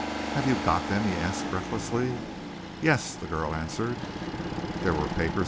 "Have you got them?" he asked breathlessly. "Yes!" the girl answered. "There were papers?"